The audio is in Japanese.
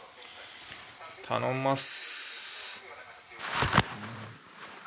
頼みます！